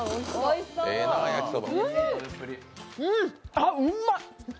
あ、うまい。